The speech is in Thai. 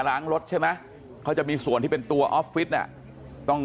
ล้างรถใช่ไหมเขาจะมีส่วนที่เป็นตัวออฟฟิศต้อง